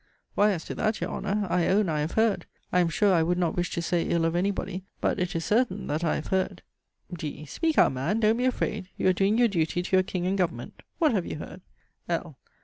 Why, as to that, your Honour! I own, I have heard; I am sure, I would not wish to say ill of any body; but it is certain, that I have heard D. Speak out, man! don't be afraid, you are doing your duty to your King and Government. What have you heard? L.